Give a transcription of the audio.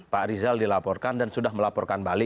pak rizal dilaporkan dan sudah melaporkan balik